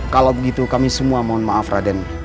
kalau begitu kami semua mohon maaf raden